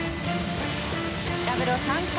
ダブルを３回。